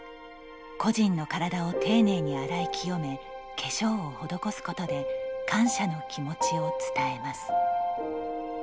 故人の体を丁寧に洗い清め化粧を施すことで感謝の気持ちを伝えます。